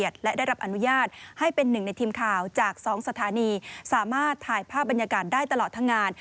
จากสองสถานีสามารถถ่ายภาพบรรยากาศได้ตลอดทั้งงาน